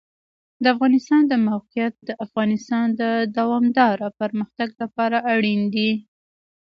د افغانستان د موقعیت د افغانستان د دوامداره پرمختګ لپاره اړین دي.